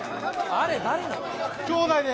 あれ誰なの？